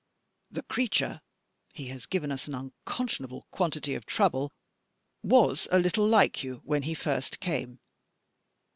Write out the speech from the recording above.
The creature he has given us an unconscionable quantity of trouble was a little like you when he first came.